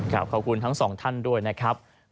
ขอบคุณทั้งสองท่านด้วยนะครับ